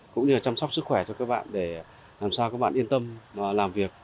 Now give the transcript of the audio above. cũng như là chăm sóc sức khỏe cho các bạn để làm sao các bạn yên tâm làm việc